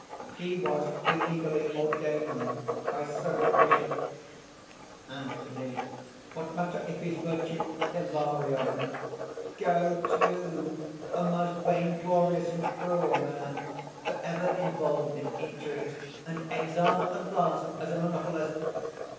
"He was illegally ordained by seven bishops." ANTHONY. "What matter if his virtue...." HILARION. "Go to! a most vainglorious and cruel man, forever involved in intrigues, and exiled at last as a monopolist."